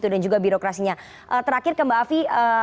dan juga birokrasinya terakhir ke mbak afi